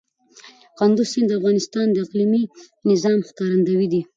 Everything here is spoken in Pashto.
کندز سیند د افغانستان د اقلیمي نظام ښکارندوی دی.